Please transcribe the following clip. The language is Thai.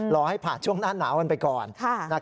รอให้ผ่านช่วงหน้าหนาวกันไปก่อน